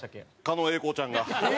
狩野英孝ちゃんが。